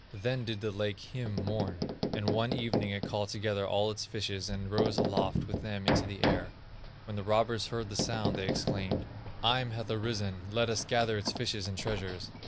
Then did the lake Eim mourn, and one evening it called together all its fishes, and rose aloft with them into the air. When the robbers heard the sound, they exclaimed: 'Eim hath arisen; let us gather its fishes and treasures.